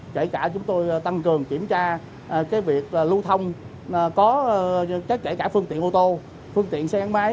kể cả chúng tôi tăng cường kiểm tra việc lưu thông kể cả phương tiện ô tô phương tiện xe án máy